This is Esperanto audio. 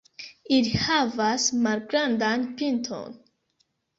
Ili havas malgrandan pinton.